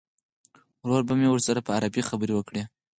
ورور به مې ورسره په عربي خبرې وکړي.